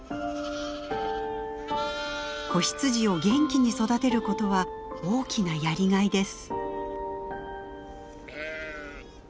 子羊を元気に育てることは大きなやりがいです。